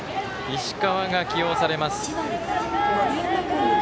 石川が起用されます。